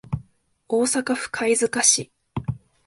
大阪府貝塚市